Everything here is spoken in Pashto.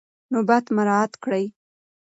نوبت مراعات کړئ.